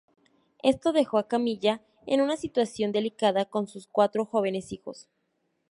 Esto dejó a camilla en una situación delicada, con sus cuatro jóvenes hijos.